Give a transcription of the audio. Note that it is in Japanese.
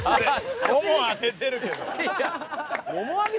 もも上げてるけど。